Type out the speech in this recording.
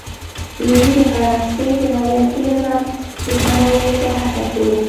لويي د فرانسې د مالیاتي نظام د سمولو په هڅه کې و.